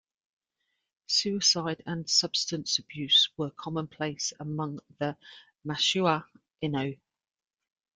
Suicide and substance abuse were commonplace among the Mushuau Innu.